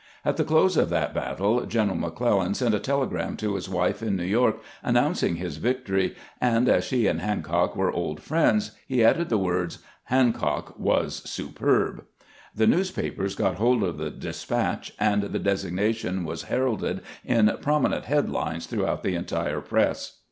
At the close of that battle, General McClellan sent a telegram to his wife in New York announcing his victory, and as she and Hancock were old friends, he added the words, " Hancock was superb." The newspapers got hold of the despatch, and the designation was heralded in prominent head lines throughout the entire press.